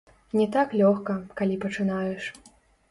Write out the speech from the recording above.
Не так лёгка, калі пачынаеш.